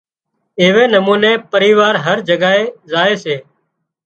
ايوي نموني پريوار هر جگائي زائي سي